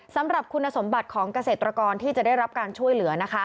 สำหรับคุณสมบัติของเกษตรกรที่จะได้รับการช่วยเหลือ